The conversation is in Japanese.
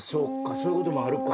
そういうこともあるか。